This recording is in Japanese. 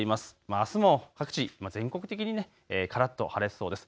あすも各地、全国的にからっと晴れそうです。